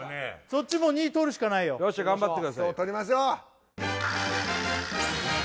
そっちも２取るしかないよ頑張ってください取りましょう！